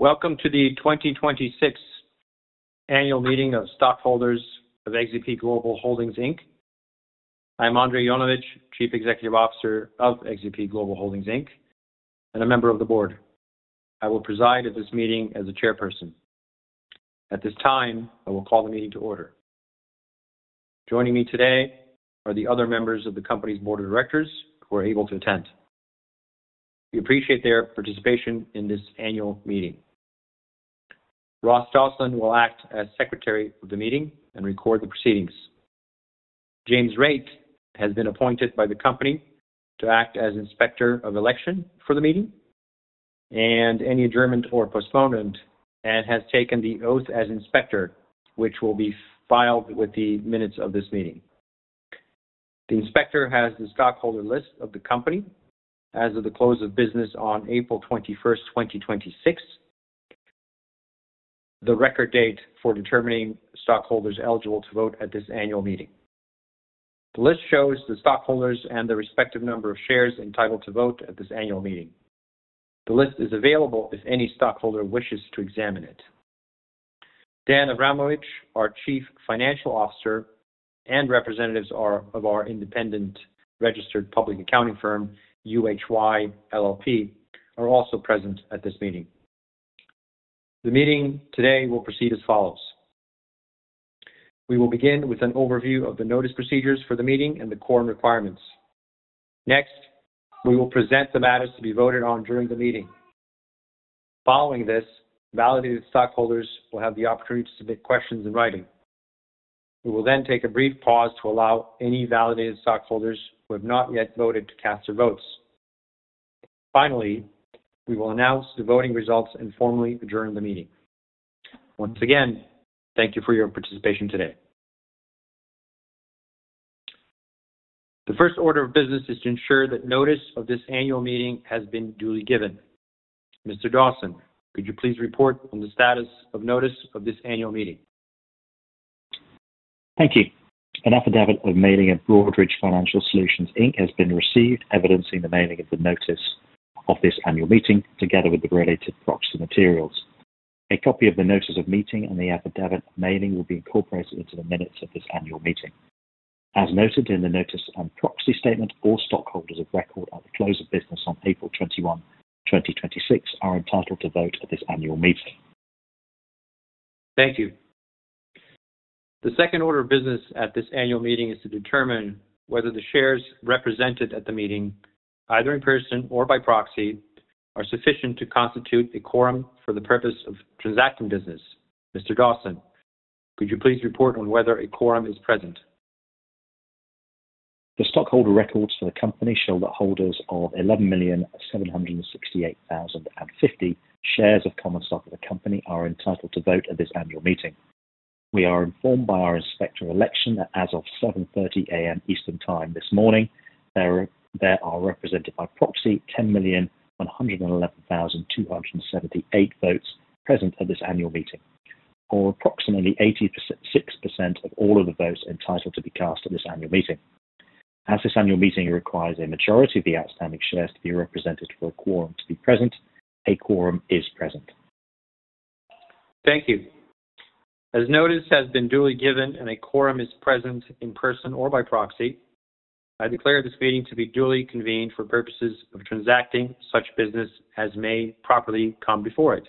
Welcome to the 2026 Annual Meeting of Stockholders of XBP Global Holdings, Inc. I'm Andrej Jonovic, Chief Executive Officer of XBP Global Holdings, Inc., and a member of the board. I will preside at this meeting as the chairperson. At this time, I will call the meeting to order. Joining me today are the other members of the company's board of directors who are able to attend. We appreciate their participation in this annual meeting. Ross Dawson will act as secretary of the meeting and record the proceedings. James Raitt has been appointed by the company to act as Inspector of Election for the meeting and any adjournment or postponement, and has taken the oath as inspector, which will be filed with the minutes of this meeting. The inspector has the stockholder list of the company as of the close of business on April 21st, 2026, the record date for determining stockholders eligible to vote at this annual meeting. The list shows the stockholders and the respective number of shares entitled to vote at this annual meeting. The list is available if any stockholder wishes to examine it. Dejan Avramovic, our Chief Financial Officer, and representatives of our independent registered public accounting firm, UHY LLP, are also present at this meeting. The meeting today will proceed as follows. We will begin with an overview of the notice procedures for the meeting and the quorum requirements. Next, we will present the matters to be voted on during the meeting. Following this, validated stockholders will have the opportunity to submit questions in writing. We will then take a brief pause to allow any validated stockholders who have not yet voted to cast their votes. Finally, we will announce the voting results and formally adjourn the meeting. Once again, thank you for your participation today. The first order of business is to ensure that notice of this annual meeting has been duly given. Mr. Dawson, could you please report on the status of notice of this annual meeting? Thank you. An affidavit of mailing of Broadridge Financial Solutions, Inc. has been received, evidencing the mailing of the notice of this annual meeting, together with the related proxy materials. A copy of the notice of meeting and the affidavit of mailing will be incorporated into the minutes of this annual meeting. As noted in the notice and proxy statement, all stockholders of record at the close of business on April 21, 2026, are entitled to vote at this annual meeting. Thank you. The second order of business at this annual meeting is to determine whether the shares represented at the meeting, either in person or by proxy, are sufficient to constitute a quorum for the purpose of transacting business. Mr. Dawson, could you please report on whether a quorum is present? The stockholder records for the company show that holders of 11,768,050 shares of common stock of the company are entitled to vote at this annual meeting. We are informed by our Inspector of Election that as of 7:30 A.M. Eastern Time this morning, there are represented by proxy, 10,111,278 votes present at this annual meeting, or approximately 86% of all of the votes entitled to be cast at this annual meeting. As this annual meeting requires a majority of the outstanding shares to be represented for a quorum to be present, a quorum is present. Thank you. As notice has been duly given and a quorum is present in person or by proxy, I declare this meeting to be duly convened for purposes of transacting such business as may properly come before it.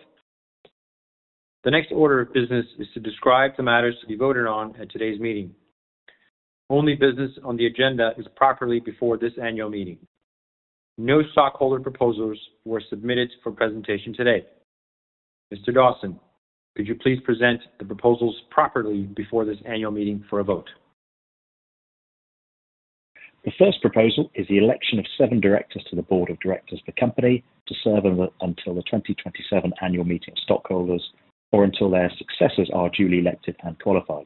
The next order of business is to describe the matters to be voted on at today's meeting. Only business on the agenda is properly before this annual meeting. No stockholder proposals were submitted for presentation today. Mr. Dawson, could you please present the proposals properly before this annual meeting for a vote? The first proposal is the election of seven directors to the board of directors of the company to serve until the 2027 annual meeting of stockholders or until their successors are duly elected and qualified.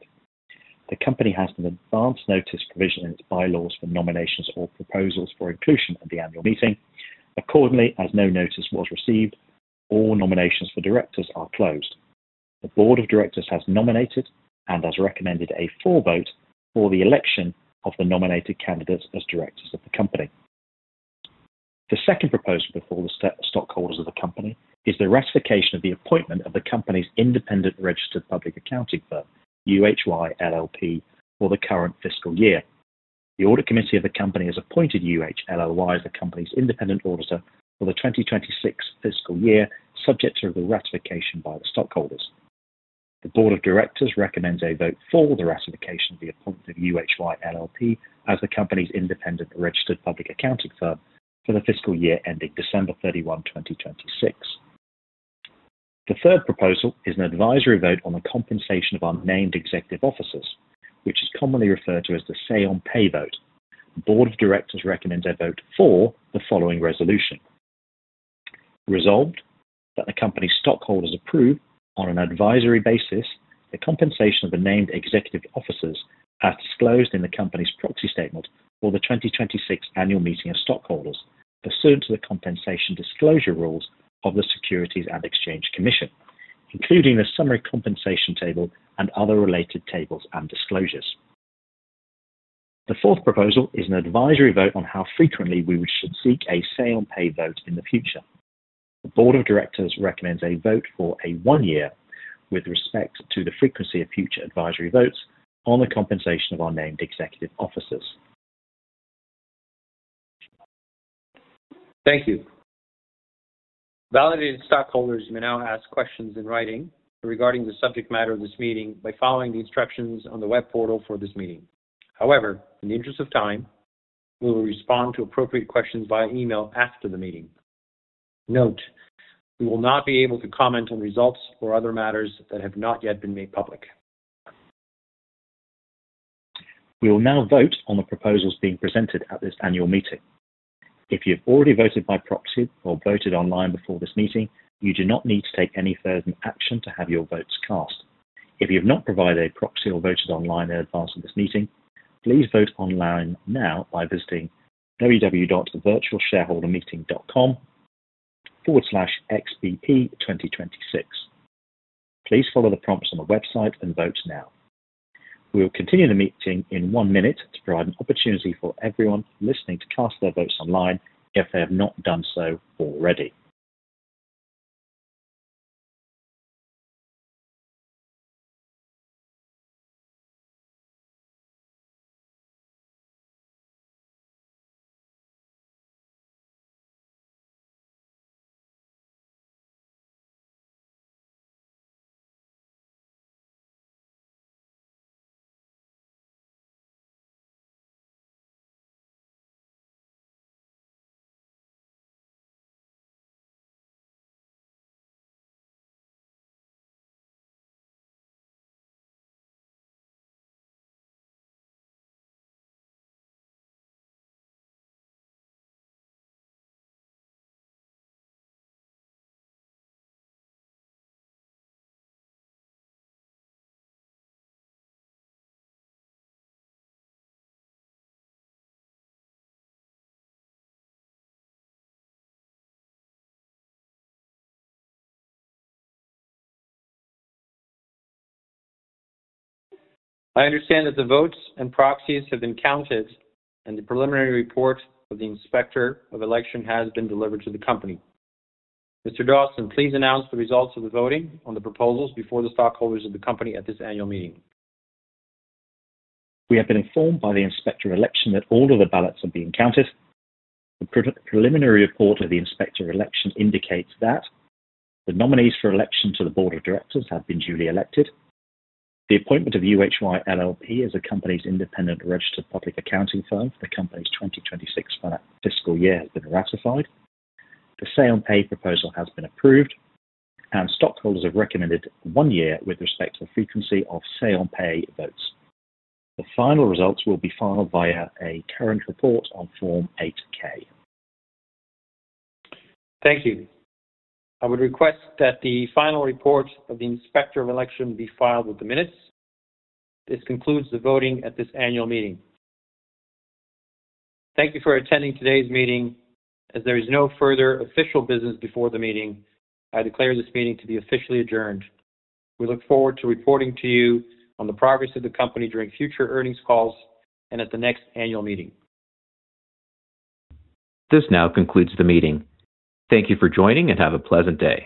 The company has an advance notice provision in its bylaws for nominations or proposals for inclusion at the annual meeting. Accordingly, as no notice was received, all nominations for directors are closed. The board of directors has nominated and has recommended a for vote for the election of the nominated candidates as directors of the company. The second proposal before the stockholders of the company is the ratification of the appointment of the company's independent registered public accounting firm, UHY LLP, for the current fiscal year. The audit committee of the company has appointed UHY LLP as the company's independent auditor for the 2026 fiscal year, subject to the ratification by the stockholders. The board of directors recommends a vote for the ratification of the appointment of UHY LLP as the company's independent registered public accounting firm for the fiscal year ending December 31, 2026. The third proposal is an advisory vote on the compensation of our named executive officers, which is commonly referred to as the Say on Pay vote. The board of directors recommends a vote for the following resolution. Resolved, that the company's stockholders approve, on an advisory basis, the compensation of the named executive officers as disclosed in the company's proxy statement for the 2026 annual meeting of stockholders pursuant to the compensation disclosure rules of the Securities and Exchange Commission, including the summary compensation table and other related tables and disclosures. The fourth proposal is an advisory vote on how frequently we should seek a Say on Pay vote in the future. The board of directors recommends a vote for a one-year with respect to the frequency of future advisory votes on the compensation of our named executive officers. Thank you. Validated stockholders may now ask questions in writing regarding the subject matter of this meeting by following the instructions on the web portal for this meeting. However, in the interest of time, we will not be able to comment on results or other matters that have not yet been made public. We will now vote on the proposals being presented at this annual meeting. If you have already voted by proxy or voted online before this meeting, you do not need to take any further action to have your votes cast. If you have not provided a proxy or voted online in advance of this meeting, please vote online now by visiting www.virtualshareholdermeeting.com/xbp2026. Please follow the prompts on the website and vote now. We will continue the meeting in one minute to provide an opportunity for everyone listening to cast their votes online if they have not done so already. I understand that the votes and proxies have been counted and the preliminary report of the inspector of election has been delivered to the company. Mr. Dawson, please announce the results of the voting on the proposals before the stockholders of the company at this annual meeting. We have been informed by the inspector of election that all of the ballots have been counted. The preliminary report of the inspector of election indicates that the nominees for election to the board of directors have been duly elected. The appointment of UHY LLP as the company's independent registered public accounting firm for the company's 2026 fiscal year has been ratified. The Say on Pay proposal has been approved, and stockholders have recommended one year with respect to the frequency of Say on Pay votes. The final results will be filed via a current report on Form 8-K. Thank you. I would request that the final report of the inspector of election be filed with the minutes. This concludes the voting at this annual meeting. Thank you for attending today's meeting. As there is no further official business before the meeting, I declare this meeting to be officially adjourned. We look forward to reporting to you on the progress of the company during future earnings calls and at the next annual meeting. This now concludes the meeting. Thank you for joining, and have a pleasant day.